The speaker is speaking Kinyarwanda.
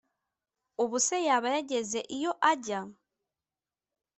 Ubuse yaba yageze iyo ajya